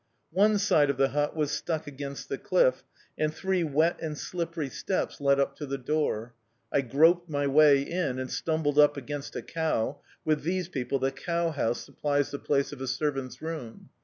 One side of the hut was stuck against the cliff, and three wet and slippery steps led up to the door. I groped my way in and stumbled up against a cow (with these people the cow house supplies the place of a servant's room).